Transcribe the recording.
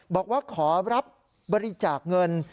บอกว่าขอรับบริจาคเงิน